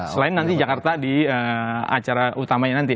selain nanti jakarta di acara utamanya nanti